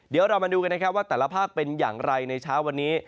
เดี๋ยวเรามาดูกันนะครับว่าแต่ละภาคเป็นอย่างไรในเช้าวันนี้